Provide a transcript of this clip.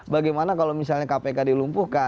bagaimana kalau misalnya kpk di lumpur